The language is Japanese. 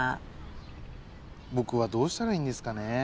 僕はどうしたらいいんですかね。